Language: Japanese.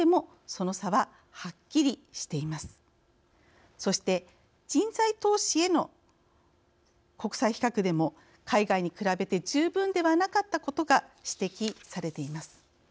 そして人材投資への国際比較でも海外に比べて十分ではなかったことが指摘されています。